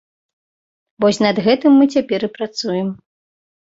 Вось над гэтым мы цяпер і працуем.